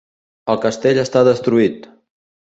El castell està destruït.